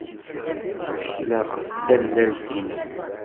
Ttekleɣ ɣef tallalt-nnem.